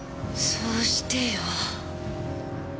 そうしてよ。